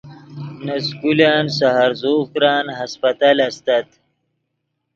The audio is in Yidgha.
نے سکولن سے ہرزوغ کرن ہسپتل استت